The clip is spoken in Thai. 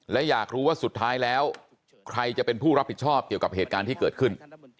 และอยากรู้ว่าสุดท้ายแล้วใครจะเป็นผู้รับผิดชอบเกี่ยวกับเหตุการณ์ที่เกิดขึ้น